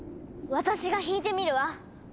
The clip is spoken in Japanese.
私が弾いてみるわ。